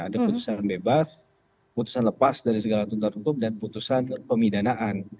ada putusan bebas putusan lepas dari segala tuntutan hukum dan putusan pemidanaan